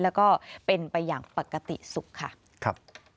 และก็เป็นไปอย่างปกติสุขค่ะ